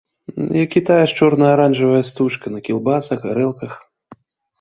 Як тая ж чорна-аранжавая стужка на кілбасах і гарэлках.